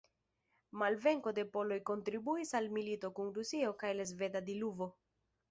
Malvenko de poloj kontribuis al milito kun Rusio kaj la sveda diluvo.